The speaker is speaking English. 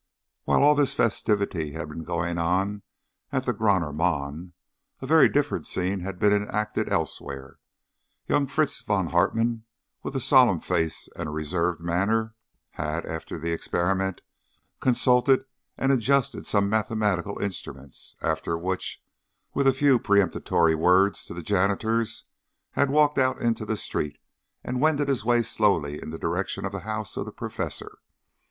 While all this festivity had been going on at the Grüner Mann, a very different scene had been enacted elsewhere. Young Fritz von Hartmann, with a solemn face and a reserved manner, had, after the experiment, consulted and adjusted some mathematical instruments; after which, with a few peremptory words to the janitors, he had walked out into the street and wended his way slowly in the direction of the house of the Professor.